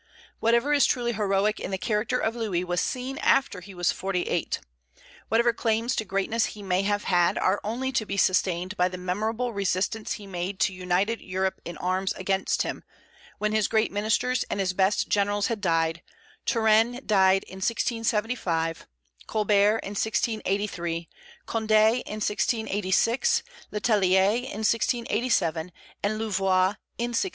Whatever is truly heroic in the character of Louis was seen after he was forty eight. Whatever claims to greatness he may have had are only to be sustained by the memorable resistance he made to united Europe in arms against him, when his great ministers and his best generals had died, Turenne died in 1675, Colbert in 1683, Condé in 1686, Le Tellier in 1687, and Louvois in 1691.